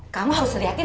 kamu harus terlihatin